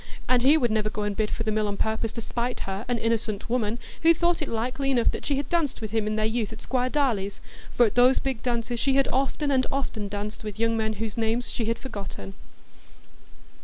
And he would never go and bid for the mill on purpose to spite her, an innocent woman, who thought it likely enough that she had danced with him in their youth at Squire Darleigh's, for at those big dances she had often and often danced with young men whose names she had forgotten.